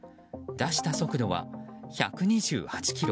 出した速度は１２８キロ。